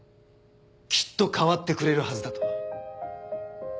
きっと変わってくれるはずだと。